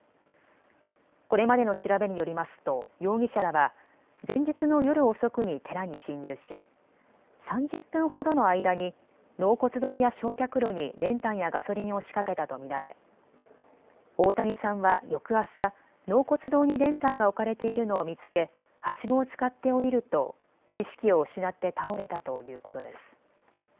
これまでの調べによりますと容疑者らは前日の夜遅くに寺に侵入し３０分ほどの間に納骨堂や焼却炉に練炭やガソリンを仕掛けたと見られ大谷さんは翌朝、納骨堂に練炭が置かれているのを見つけはしごを使って下りると意識を失って倒れたということです。